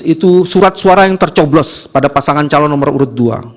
itu surat suara yang tercoblos pada pasangan calon nomor urut dua